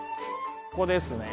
ここですね